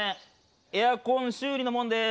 エアコン修理のもんです。